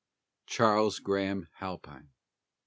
CHARLES GRAHAM HALPINE.